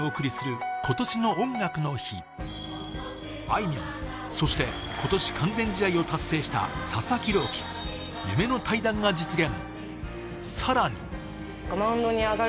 あいみょん、そして今年完全試合を達成した佐々木朗希、夢の対談が実現。